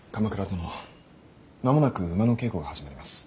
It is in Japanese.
殿間もなく馬の稽古が始まります。